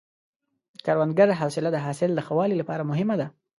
د کروندګر حوصله د حاصل د ښه والي لپاره مهمه ده.